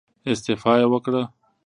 استعفا يې وکړه.